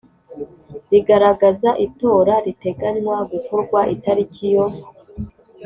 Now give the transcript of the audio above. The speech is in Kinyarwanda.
rigaragaza itora riteganywa gukorwa itariki yo